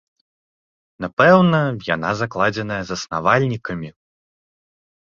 Напэўна, яна закладзеная заснавальнікамі.